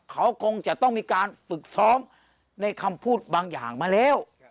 เขาคงจะต้องมีการฝึกซ้อมในคำพูดบางอย่างมาแล้ว